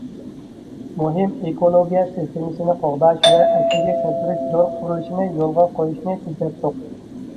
مۇھىم ئېكولوگىيە سىستېمىسىنى قوغداش ۋە ئەسلىگە كەلتۈرۈش زور قۇرۇلۇشىنى يولغا قويۇشنى تېزلەتتۇق.